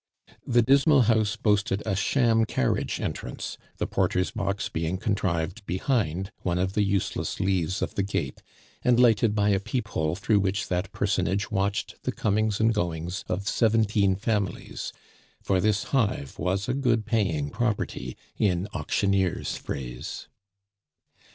The dismal house boasted a sham carriage entrance, the porter's box being contrived behind one of the useless leaves of the gate, and lighted by a peephole through which that personage watched the comings and goings of seventeen families, for this hive was a "good paying property," in auctioneer's phrase.